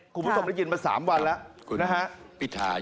คุณผู้ชมได้ยินมา๓วันแล้วนะฮะ